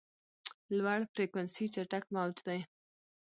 لوړ فریکونسي چټک موج دی.